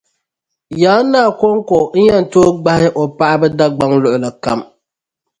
Yaan Naa koŋko n-yɛn tooi gbahi o paɣaba dagbaŋ luɣilikam